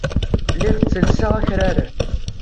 Lliɣ ttellseɣ akraren.